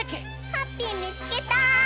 ハッピーみつけた！